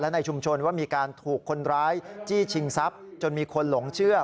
ในชุมชนว่ามีการถูกคนร้ายจี้ชิงทรัพย์จนมีคนหลงเชื่อ